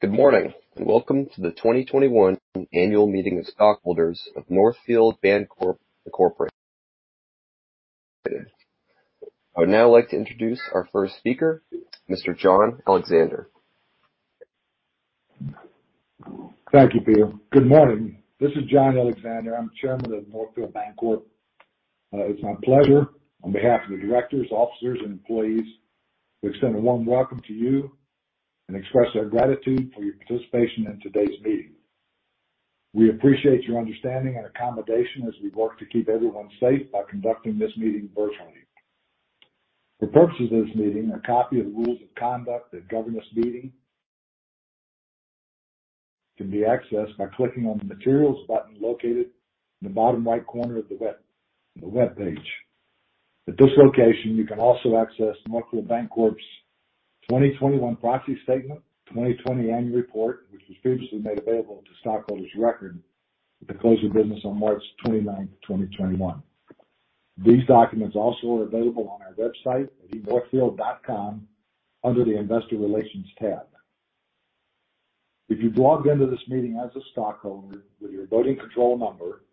Good morning. Welcome to the 2021 Annual Meeting of Stockholders of Northfield Bancorp Incorporated. I would now like to introduce our first speaker, Mr. John Alexander. Thank you, Peter. Good morning. This is John Alexander. I'm chairman of Northfield Bancorp. It's my pleasure, on behalf of the directors, officers, and employees, to extend a warm welcome to you and express our gratitude for your participation in today's meeting. We appreciate your understanding and accommodation as we work to keep everyone safe by conducting this meeting virtually. For purposes of this meeting, a copy of the rules of conduct that governs this meeting can be accessed by clicking on the Materials button located in the bottom right corner of the webpage. At this location, you can also access Northfield Bancorp's 2021 proxy statement, 2020 annual report, which was previously made available to stockholders of record at the close of business on March 29th, 2021. These documents also are available on our website at northfield.com under the Investor Relations tab. If you've logged in to this meeting as a stockholder with your voting control number,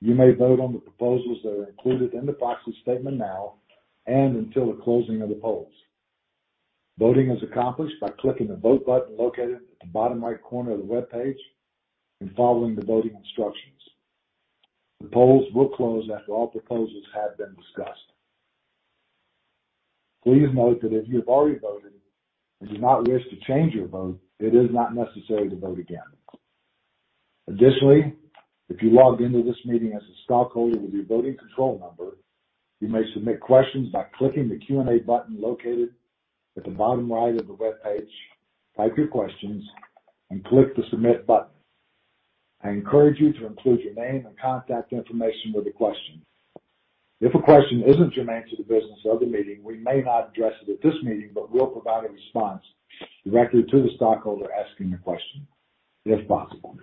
you may vote on the proposals that are included in the proxy statement now and until the closing of the polls. Voting is accomplished by clicking the Vote button located at the bottom right corner of the webpage and following the voting instructions. The polls will close after all proposals have been discussed. Please note that if you've already voted and do not wish to change your vote, it is not necessary to vote again. Additionally, if you logged into this meeting as a stockholder with your voting control number, you may submit questions by clicking the Q&A button located at the bottom right of the webpage, type your questions, and click the Submit button. I encourage you to include your name and contact information with the question. If a question isn't germane to the business of the meeting, we may not address it at this meeting, but we'll provide a response directly to the stockholder asking the question if possible.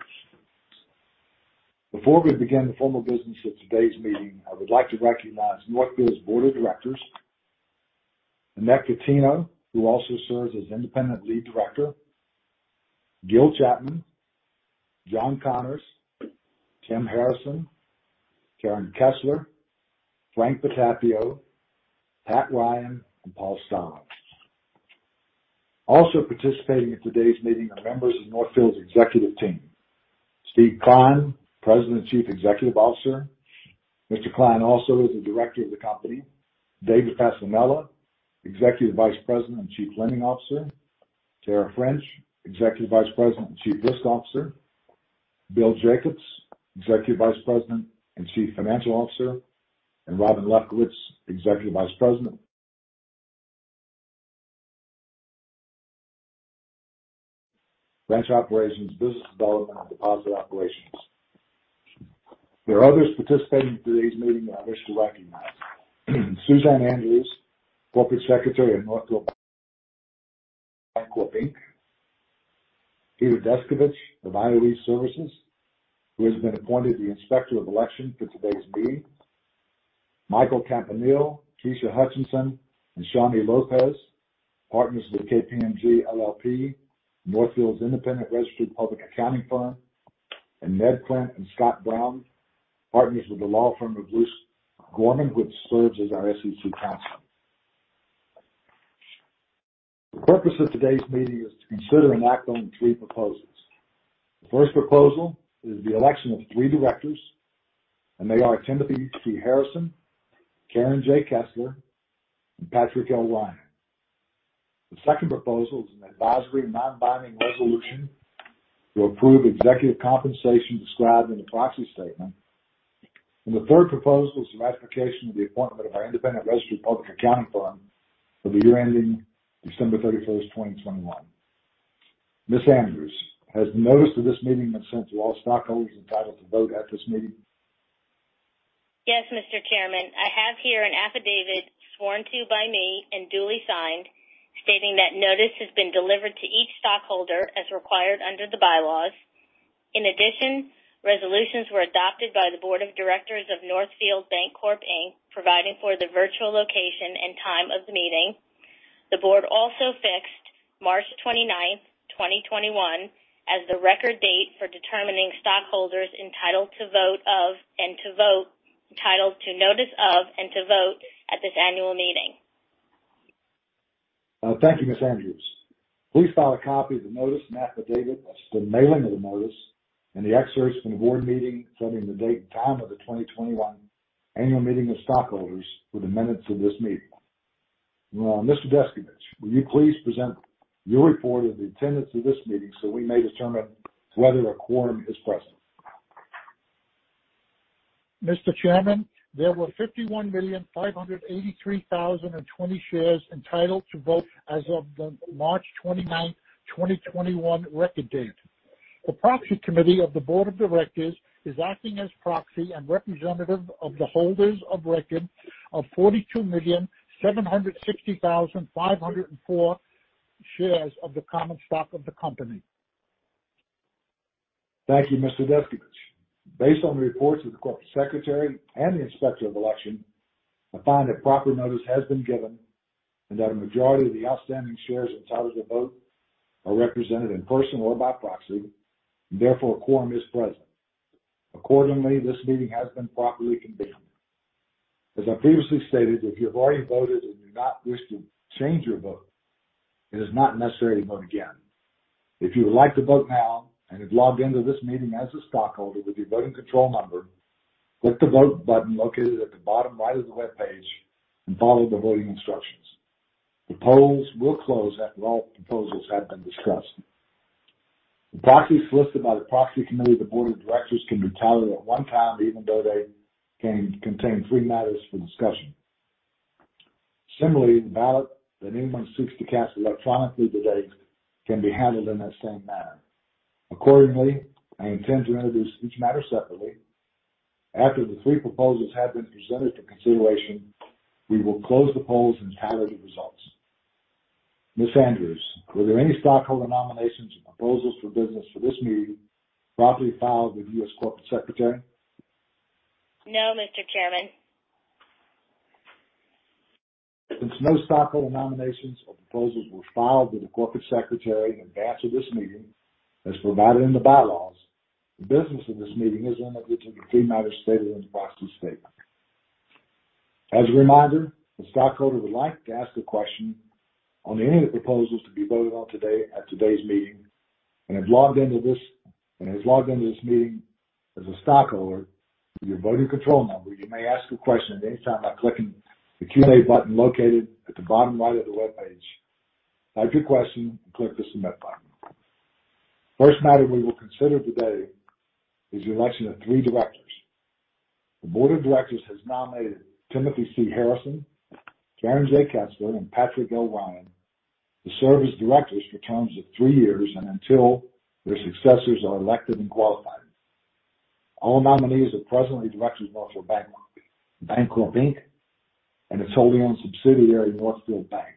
Before we begin the formal business of today's meeting, I would like to recognize Northfield Bancorp's board of directors. Annette Catino, who also serves as independent lead director, Gil Chapman, John Connors, Tim Harrison, Karen Kessler, Frank Patafio, Pat Ryan, and Paul Stahlin. Also participating in today's meeting are members of Northfield Bancorp's executive team. Steve Klein, President and Chief Executive Officer. Mr. Klein also is a director of the company. David Fasanella, Executive Vice President and Chief Lending Officer. Tara French, Executive Vice President and Chief Risk Officer. Bill Jacobs, Executive Vice President and Chief Financial Officer, and Robin Lefkowitz, Executive Vice President, Branch Operations, Business Development, and Deposit Operations. There are others participating in today's meeting I wish to recognize. Suzanne Andrews, Corporate Secretary of Northfield Bancorp, Inc. Peter Descovich of IOE Services, who has been appointed the Inspector of Election for today's meeting. Michael Campanile, Trisha Hutchison, and Shawnee Lopez, partners with KPMG LLP, Northfield's independent registered public accounting firm, and Ned Quint and Scott Brown, partners with the law firm of Luse Gorman, PC which serves as our SEC counsel. The purpose of today's meeting is to consider and act on three proposals. The first proposal is the election of three directors, and they are Timothy C. Harrison, Karen J. Kessler, and Patrick L. Ryan. The second proposal is an advisory non-binding resolution to approve executive compensation described in the proxy statement, and the third proposal is ratification of the appointment of our independent registered public accounting firm for the year ending December 31, 2021. Ms. Andrews, has notice of this meeting been sent to all stockholders entitled to vote at this meeting? Yes, Mr. Chairman. I have here an affidavit sworn to by me and duly signed, stating that notice has been delivered to each stockholder as required under the bylaws. In addition, resolutions were adopted by the board of directors of Northfield Bancorp, Inc. providing for the virtual location and time of the meeting. The board also fixed March 29th, 2021, as the record date for determining stockholders entitled to notice of and to vote at this annual meeting. Thank you, Ms. Andrews. Please file a copy of the notice and affidavit as to the mailing of the notice and the excerpts from the board meeting setting the date and time of the 2021 annual meeting of stockholders for the minutes of this meeting. Mr. Descovich, will you please present your report of the attendance of this meeting so we may determine whether a quorum is present. Mr. Chairman, there were 51,583,020 shares entitled to vote as of the March 29th, 2021, record date. The proxy committee of the board of directors is acting as proxy and representative of the holders of record of 42,760,504 shares of the common stock of the company Thank you, Mr. Descovich. Based on reports of the corporate secretary and the inspector of election, I find that proper notice has been given and that a majority of the outstanding shares entitled to vote are represented in person or by proxy, and therefore a quorum is present. Accordingly, this meeting has been properly convened. As I previously stated, if you have already voted and do not wish to change your vote, it is not necessary to vote again. If you would like to vote now and have logged into this meeting as a stockholder with your voting control number, click the Vote button located at the bottom right of the webpage and follow the voting instructions. The polls will close after all proposals have been discussed. The proxies solicited by the proxy committee of the board of directors can be tallied at one time, even though they can contain three matters for discussion. Similarly, the ballot that anyone seeks to cast electronically today can be handled in that same manner. Accordingly, I intend to handle each matter separately. After the three proposals have been presented for consideration, we will close the polls and tally the results. Ms. Andrews, were there any stockholder nominations or proposals for business for this meeting properly filed with you as corporate secretary? No, Mr. Chairman. Since no stockholder nominations or proposals were filed with the corporate secretary in advance of this meeting as provided in the bylaws, the business of this meeting is limited to the three matters stated in the proxy statement. As a reminder, if a stockholder would like to ask a question on any of the proposals to be voted on today at today's meeting and have logged into this meeting as a stockholder with your voting control number, you may ask a question at any time by clicking the Q&A button located at the bottom right of the webpage. Type your question and click the Submit button. First matter we will consider today is the election of three directors. The board of directors has nominated Timothy C. Harrison, Karen J. Kessler, and Patrick L. Ryan to serve as directors for terms of three years and until their successors are elected and qualified. All nominees are presently directors of Northfield Bancorp, Inc., and its wholly-owned subsidiary, Northfield Bank.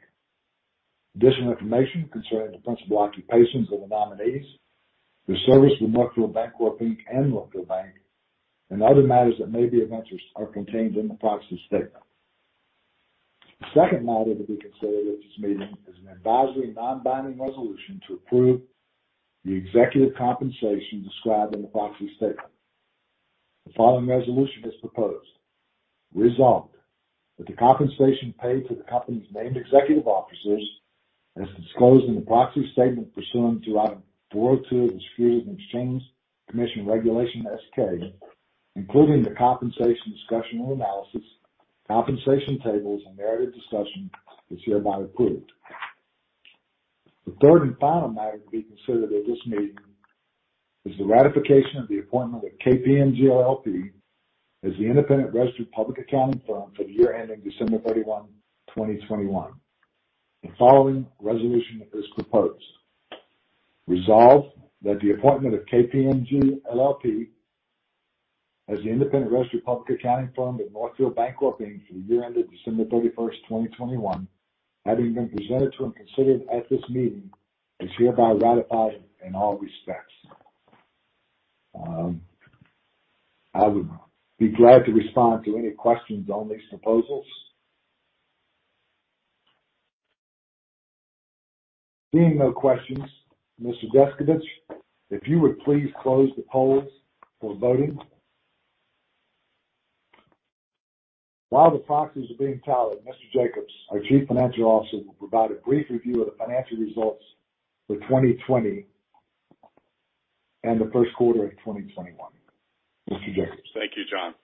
Additional information concerning the principal occupations of the nominees, their service with Northfield Bancorp, Inc. and Northfield Bank, and other matters that may be of interest are contained in the proxy statement. The second matter to be considered at this meeting is an advisory non-binding resolution to approve the executive compensation described in the proxy statement. The following resolution is proposed. Resolved, that the compensation paid to the company's named executive officers, as disclosed in the proxy statement pursuant to Item 402 of the Securities and Exchange Commission Regulation S-K, including the compensation discussion and analysis, compensation tables, and narrative discussion, is hereby approved. The third and final matter to be considered at this meeting is the ratification of the appointment of KPMG LLP as the independent registered public accounting firm for the year ending December 31, 2021. The following resolution is proposed. Resolved, that the appointment of KPMG LLP as the independent registered public accounting firm of Northfield Bancorp, Inc. for the year ending December 31st, 2021, having been presented to and considered at this meeting, is hereby ratified in all respects. I would be glad to respond to any questions on these proposals. Seeing no questions, Mr. Descovich, if you would please close the polls for voting. While the proxies are being tallied, Mr. Jacobs, our Chief Financial Officer, will provide a brief review of the financial results for 2020 and the first quarter of 2021. Mr. Jacobs. Thank you, John.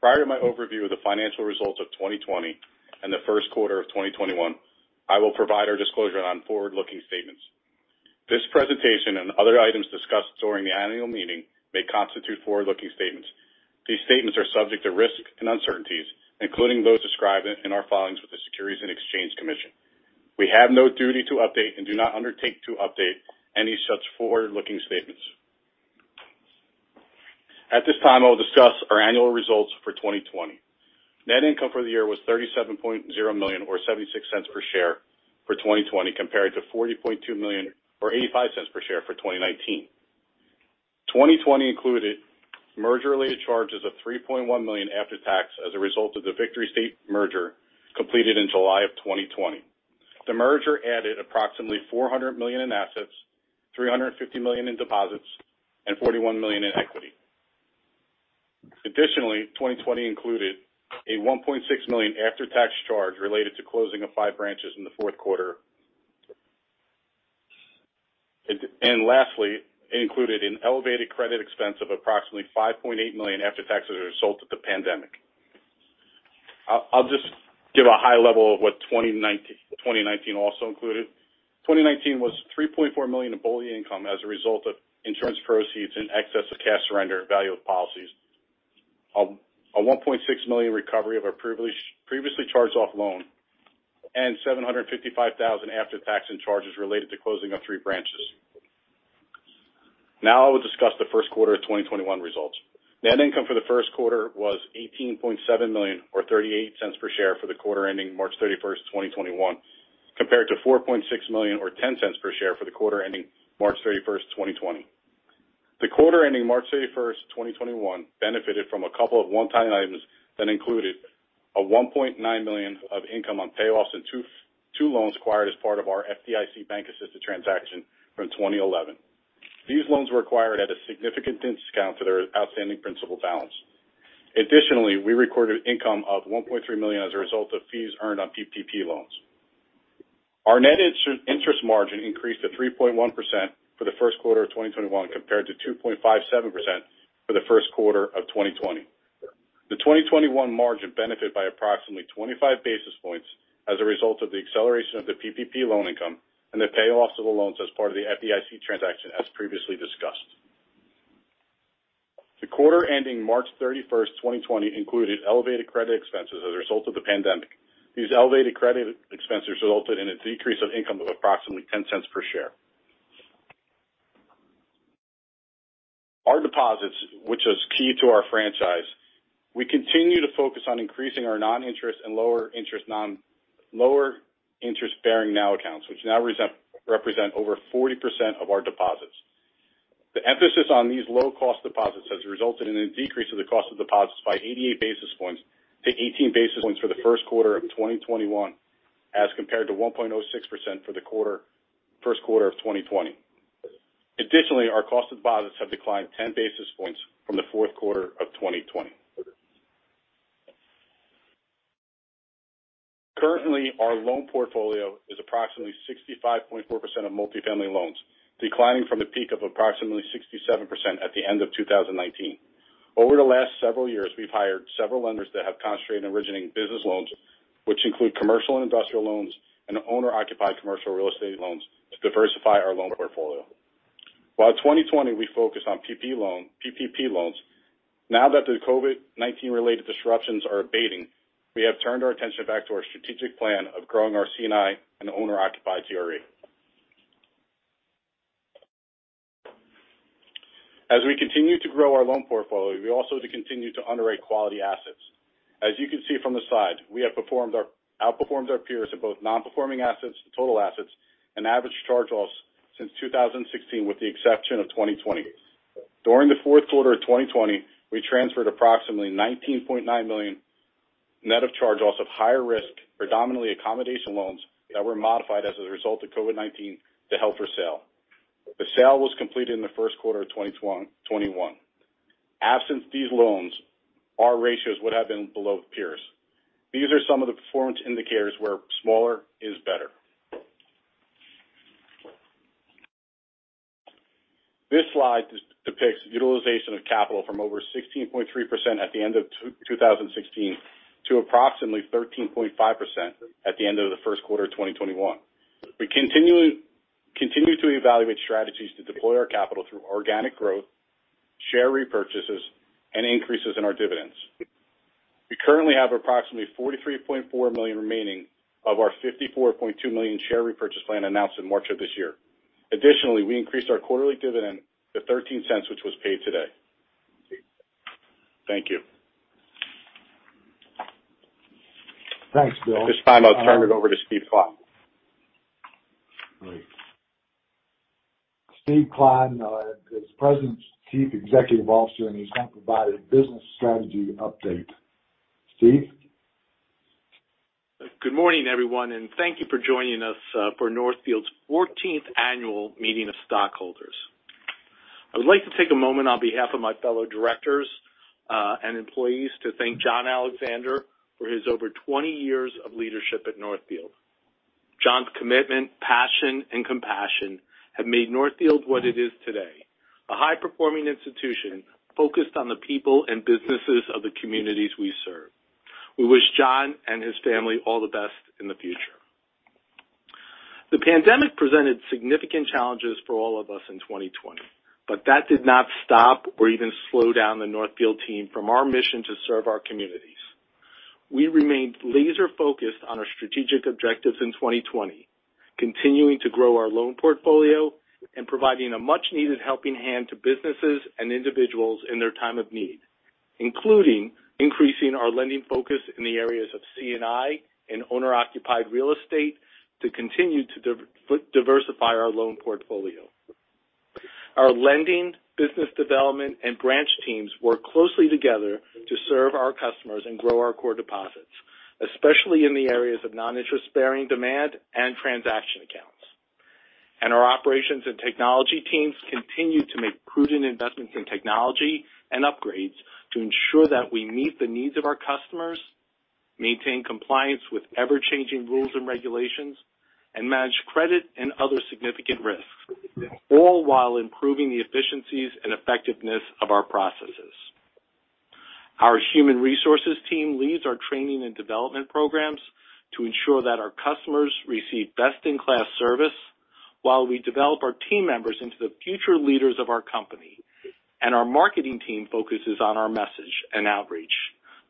Prior to my overview of the financial results of 2020 and the first quarter of 2021, I will provide our disclosure on forward-looking statements. Other items discussed during the annual meeting may constitute forward-looking statements. These statements are subject to risks and uncertainties, including those described in our filings with the Securities and Exchange Commission. We have no duty to update and do not undertake to update any such forward-looking statements. At this time, I'll discuss our annual results for 2020. Net income for the year was $37.0 million, or $0.76 per share for 2020, compared to $40.2 million or $0.85 per share for 2019. 2020 included merger-related charges of $3.1 million after tax as a result of the Victory State merger completed in July of 2020. The merger added approximately $400 million in assets, $350 million in deposits, and $41 million in equity. 2020 included a $1.6 million after-tax charge related to closing of five branches in the fourth quarter. Lastly, it included an elevated credit expense of approximately $5.8 million after tax as a result of the pandemic. I'll just give a high level of what 2019 also included. 2019 was $3.4 million of book income as a result of insurance proceeds in excess of cash surrender and value of policies. A $1.6 million recovery of a previously charged-off loan and $755,000 after tax and charges related to closing of three branches. I'll discuss the first-2021 results. Net income for the first quarter was $18.7 million, or $0.38 per share for the quarter ending March 31st, 2021, compared to $4.6 million or $0.10 per share for the quarter ending March 31st, 2020. The quarter ending March 31st, 2021, benefited from a couple of one-time items that included a $1.9 million of income on payoffs and two loans acquired as part of our FDIC bank-assisted transaction from 2011. These loans were acquired at a significant discount to their outstanding principal balance. Additionally, we recorded income of $1.3 million as a result of fees earned on PPP loans. Our net interest margin increased to 3.1% for the first quarter of 2021 compared to 2.57% for the first quarter of 2020. The 2021 margin benefited by approximately 25 basis points as a result of the acceleration of the PPP loan income and the pay offs of the loans as part of the FDIC transaction as previously discussed. The quarter ending March 31st, 2020, included elevated credit expenses as a result of the pandemic. These elevated credit expenses resulted in a decrease of income of approximately $0.10 per share. Our deposits, which is key to our franchise, we continue to focus on increasing our non-interest and lower interest-bearing NOW accounts, which now represent over 40% of our deposits. The emphasis on these low-cost deposits has resulted in a decrease in the cost of deposits by 88 basis points to 18 basis points for the first quarter of 2021 as compared to 1.06% for the first quarter of 2020. Additionally, our cost of deposits have declined 10 basis points from the fourth quarter of 2020. Currently, our loan portfolio is approximately 65.4% of multifamily loans, declining from a peak of approximately 67% at the end of 2019. Over the last several years, we've hired several lenders that have concentrated on originating business loans, which include commercial industrial loans and owner-occupied commercial real estate loans to diversify our loan portfolio. While in 2020 we focused on PPP loans, now that the COVID-19 related disruptions are abating, we have turned our attention back to our strategic plan of growing our C&I and owner-occupied CRE. As we continue to grow our loan portfolio, we also continue to underwrite quality assets. As you can see from the slide, we have outperformed our peers in both non-performing assets to total assets and average charge-offs since 2016, with the exception of 2020. During the fourth quarter of 2020, we transferred approximately $19.9 million net of charge-offs of higher risk, predominantly accommodation loans that were modified as a result of COVID-19 to held for sale. The sale was completed in the first quarter of 2021. Absent these loans, our ratios would have been below peers. These are some of the performance indicators where smaller is better. This slide depicts utilization of capital from over 16.3% at the end of 2016 to approximately 13.5% at the end of the first quarter 2021. We continue to evaluate strategies to deploy our capital through organic growth, share repurchases, and increases in our dividends. We currently have approximately $43.4 million remaining of our $54.2 million share repurchase plan announced in March of this year. Additionally, we increased our quarterly dividend to $0.13, which was paid today. Thank you. Thanks, Bill. At this time, I'll turn it over to Steve Klein. Great. Steven M. Klein is President and Chief Executive Officer, and he's going to provide a business strategy update. Steve? Good morning, everyone, and thank you for joining us for Northfield's 14th Annual Meeting of Stockholders. I'd like to take a moment on behalf of my fellow directors and employees to thank John Alexander for his over 20 years of leadership at Northfield. John's commitment, passion, and compassion have made Northfield what it is today, a high-performing institution focused on the people and businesses of the communities we serve. We wish John and his family all the best in the future. The pandemic presented significant challenges for all of us in 2020, but that did not stop or even slow down the Northfield team from our mission to serve our communities. We remained laser-focused on our strategic objectives in 2020, continuing to grow our loan portfolio and providing a much-needed helping hand to businesses and individuals in their time of need, including increasing our lending focus in the areas of C&I and owner-occupied real estate to continue to diversify our loan portfolio. Our lending, business development, and branch teams work closely together to serve our customers and grow our core deposits, especially in the areas of non-interest-bearing demand and transaction accounts. Our operations and technology teams continue to make prudent investments in technology and upgrades to ensure that we meet the needs of our customers, maintain compliance with ever-changing rules and regulations, and manage credit and other significant risks, all while improving the efficiencies and effectiveness of our processes. Our human resources team leads our training and development programs to ensure that our customers receive best-in-class service while we develop our team members into the future leaders of our company. Our marketing team focuses on our message and outreach.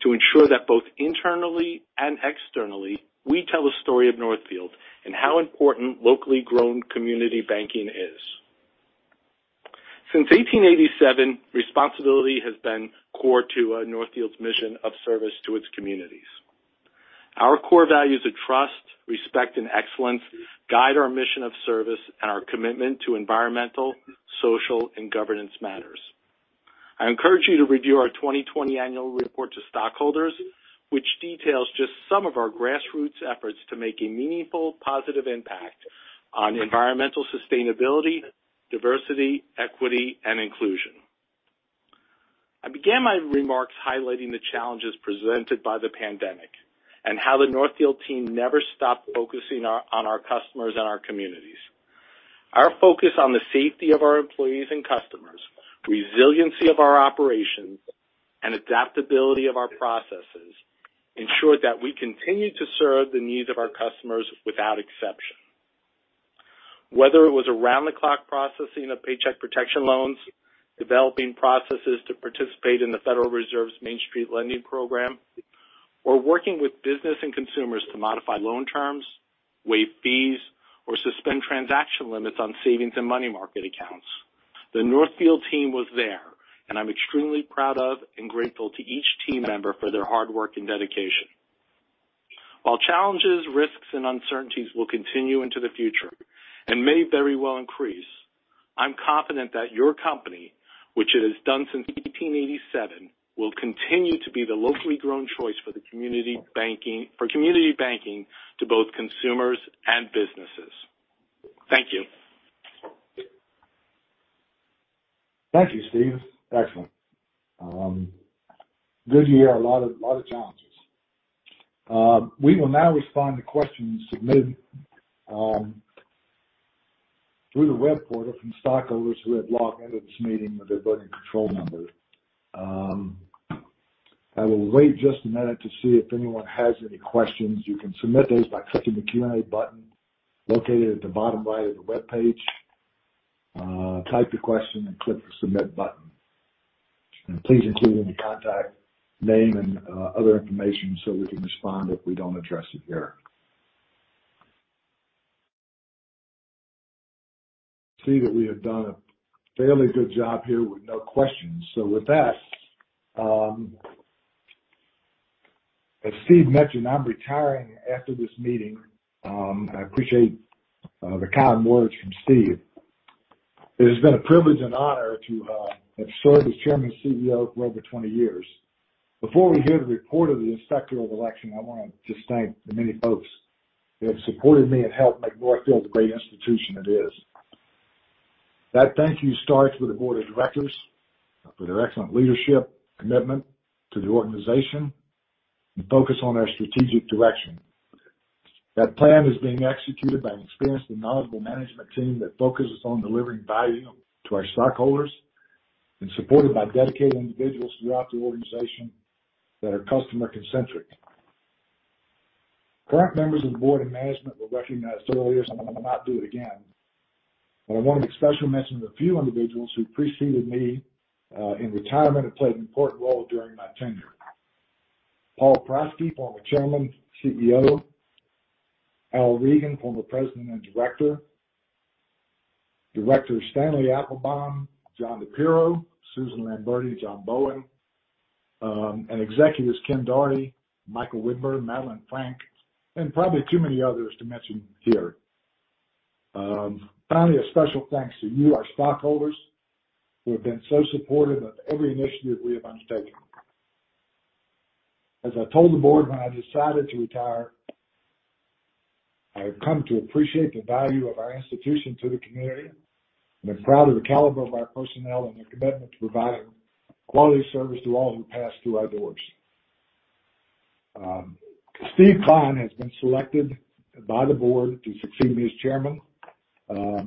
To ensure that both internally and externally, we tell the story of Northfield and how important locally grown community banking is. Since 1887, responsibility has been core to Northfield's mission of service to its communities. Our core values of trust, respect, and excellence guide our mission of service and our commitment to environmental, social, and governance matters. I encourage you to review our 2020 annual report to stockholders, which details just some of our grassroots efforts to make a meaningful, positive impact on environmental sustainability, diversity, equity, and inclusion. I began my remarks highlighting the challenges presented by the pandemic and how the Northfield team never stopped focusing on our customers and our communities. Our focus on the safety of our employees and customers, resiliency of our operations, and adaptability of our processes ensured that we continued to serve the needs of our customers without exception. Whether it was around-the-clock processing of paycheck protection loans, developing processes to participate in the Federal Reserve's Main Street Lending Program, or working with business and consumers to modify loan terms, waive fees, or suspend transaction limits on savings and money market accounts, the Northfield team was there, and I'm extremely proud of and grateful to each team member for their hard work and dedication. While challenges, risks, and uncertainties will continue into the future and may very well increase, I'm confident that your company, which it has done since 1887, will continue to be the locally grown choice for community banking to both consumers and businesses. Thank you. Thank you, Steve. Excellent. Good year. A lot of challenges. We will now respond to questions submitted through the web portal from stockholders who have logged into this meeting with their voting control number. I will wait just a minute to see if anyone has any questions. You can submit those by clicking the Q&A button located at the bottom right of the webpage. Type your question and click the submit button. Please include any contact name and other information so we can respond if we don't address it here. I see that we have done a fairly good job here with no questions. With that, as Steve mentioned, I'm retiring after this meeting. I appreciate the kind words from Steve. It has been a privilege and honor to have served as chairman and CEO for over 20 years. Before we hear the report of the Inspector of Election, I want to just thank the many folks who have supported me and helped make Northfield the great institution it is. That thank you starts with the board of directors for their excellent leadership, commitment to the organization, and focus on our strategic direction. That plan is being executed by an experienced and knowledgeable management team that focuses on delivering value to our stockholders and supported by dedicated individuals throughout the organization that are customer-centric. Current members of the board and management were recognized earlier, so I'm going to not do it again, but I want to make special mention of a few individuals who preceded me in retirement and played an important role during my tenure. Paul Prastky, former Chairman, CEO. Al Regen, former President and Director. Director Stanley Applebaum, John DePierro, Susan Lamberti, John Bowen, and executives Ken Doherty, Michael Widmer, Madeline Frank, and probably too many others to mention here. A special thanks to you, our stockholders, who have been so supportive of every initiative we have undertaken. As I told the board when I decided to retire, I have come to appreciate the value of our institution to the community, and I'm proud of the caliber of our personnel and their commitment to providing quality service to all who pass through our doors. Steve Klein has been selected by the board to succeed me as Chairman.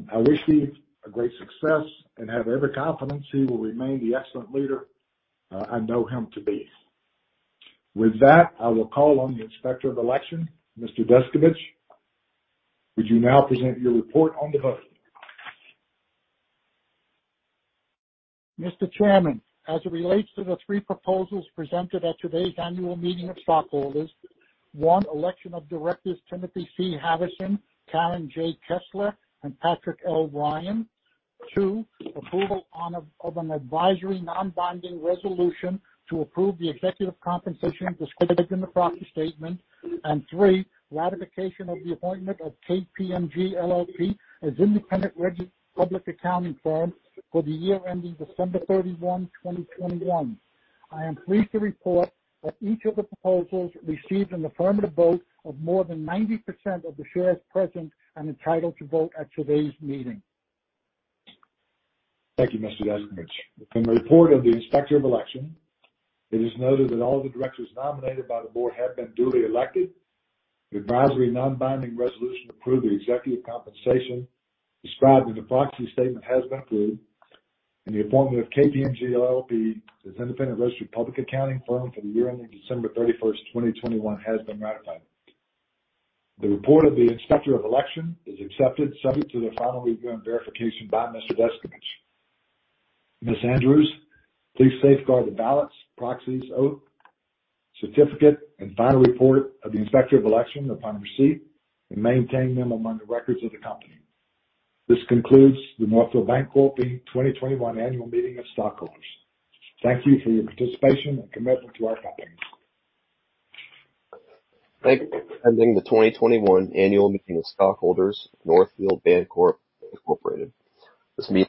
I wish Steve a great success and have every confidence he will remain the excellent leader I know him to be. With that, I will call on the Inspector of Election, Mr. Descovich. Would you now present your report on the vote? Mr. Chairman, as it relates to the three proposals presented at today's annual meeting of stockholders, one, election of directors Timothy C. Harrison, Karen J. Kessler, and Patrick L. Ryan. Two, approval of an advisory non-binding resolution to approve the executive compensation described in the proxy statement. And three, ratification of the appointment of KPMG LLP as independent registered public accounting firm for the year ending December 31, 2021. I am pleased to report that each of the proposals received an affirmative vote of more than 90% of the shares present and entitled to vote at today's meeting. Thank you, Mr. Descovich. From the report of the Inspector of Election, it is noted that all of the directors nominated by the board have been duly elected. The advisory non-binding resolution to approve the executive compensation described in the proxy statement has been approved, and the appointment of KPMG LLP as independent registered public accounting firm for the year ending December 31, 2021, has been ratified. The report of the Inspector of Election is accepted subject to the final review and verification by Mr. Descovich. Ms. Andrews, please safeguard the ballots, proxies, oath, certificate, and final report of the Inspector of Election upon receipt and maintain them among the records of the company. This concludes the Northfield Bancorp, Inc. 2021 annual meeting of stockholders. Thank you for your participation and commitment to our company. Thank you for attending the 2021 annual meeting of stockholders, Northfield Bancorp, Inc. This meeting